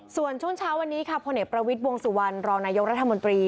ส่วนช่วงเช้าวันนี้ค่ะพลเอกประวิทย์วงสุวรรณรองนายกรัฐมนตรี